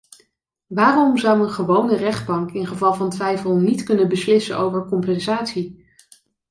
Waarom zou een gewone rechtbank in geval van twijfel niet kunnen beslissen over compensatie?